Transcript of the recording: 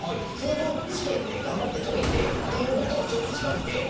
普通の試験で頑張って解いてっていうのとはちょっと違くて。